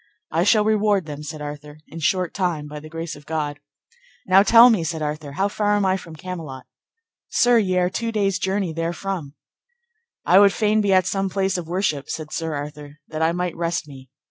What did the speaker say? I shall reward them, said Arthur, in short time, by the grace of God. Now, tell me, said Arthur, how far am I from Camelot? Sir, ye are two days' journey therefrom. I would fain be at some place of worship, said Sir Arthur, that I might rest me.